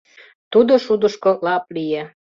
Тудо шудышко лап лие.